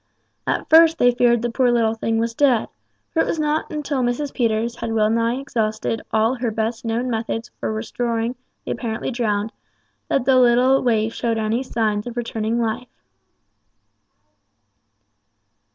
At first they feared the poor little thing was dead, for it was not until Mrs. Peters had well nigh exhausted all her best known methods for restoring the apparently drowned, that the little waif showed any sign of returning life.